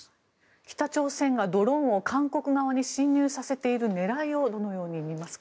北朝鮮がドローンを韓国側に侵入させている狙いをどう見ますか？